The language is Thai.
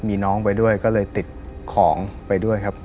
มีน้องไปด้วยก็เลยติดของไปด้วยครับ